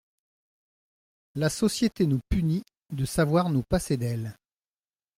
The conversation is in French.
La société nous punit de savoir nous passer d’elle !